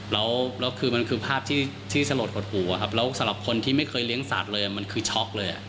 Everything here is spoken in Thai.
แล้วคือมันคือภาพที่สลดหดหูอะครับแล้วสำหรับคนที่ไม่เคยเลี้ยงสัตว์เลยมันคือช็อกเลย